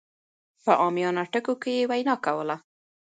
په عاميانه ټکو کې يې وينا کوله.